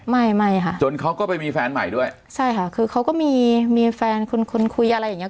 ไม่ไม่ค่ะจนเขาก็ไปมีแฟนใหม่ด้วยใช่ค่ะคือเขาก็มีมีแฟนคุณคุณคุยอะไรอย่างเงี้